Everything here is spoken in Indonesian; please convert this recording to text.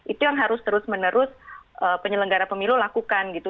itu yang harus terus menerus penyelenggara pemilu lakukan gitu